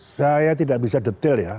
saya tidak bisa detail ya